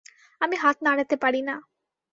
আমি হাত নাড়াতে পারি না।